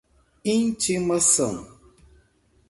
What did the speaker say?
intimação